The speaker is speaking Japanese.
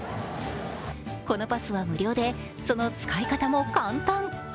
このパスは無料で、その使い方も簡単。